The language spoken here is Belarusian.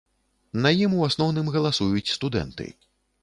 На ім у асноўным галасуюць студэнты.